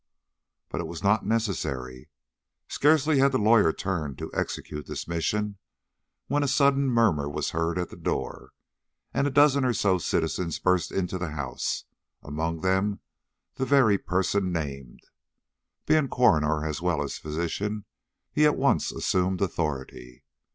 But it was not necessary. Scarcely had the lawyer turned to execute this mission, when a sudden murmur was heard at the door, and a dozen or so citizens burst into the house, among them the very person named. Being coroner as well as physician, he at once assumed authority.